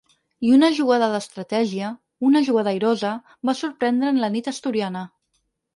I una jugada d’estratègia, una jugada airosa, va sorprendre en la nit asturiana.